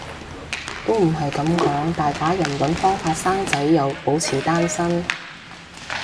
都唔係噉講，大把人搵方法生仔又保持單身